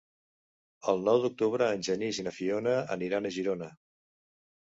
El nou d'octubre en Genís i na Fiona aniran a Girona.